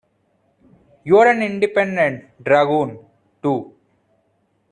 You're an independent dragoon, too!